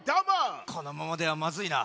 このままではまずいな。